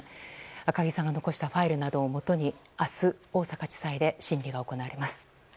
赤木さんが残したファイルなどをもとに明日、大阪地裁で審理が行われます。